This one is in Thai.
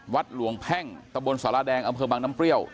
วัดหลวงแพ่งตะบนสารแดงอำเภอบังน้ำเปรี้ยว